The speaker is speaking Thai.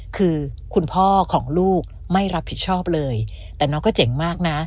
คือคุณพ่อของลูกไม่รับผิดชอบเลยแต่น้องก็เจ๋งมากนะ